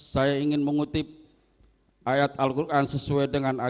saya ingin mengutip ayat al quran sesuai dengan agama